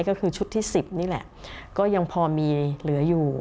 ก็คือชุดที่๑๐นี่แหละก็ยังพอมีเหลืออยู่